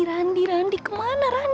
kamu adalah suami itu terlalu kuat